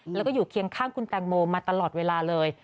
แล้วก็อยู่เคียงข้างคุณแตงโมมาตลอดเวลาเลย